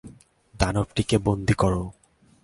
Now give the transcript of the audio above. দানবটিকে বন্দী করো।